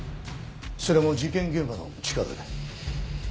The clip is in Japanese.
それも事件現場の近くで。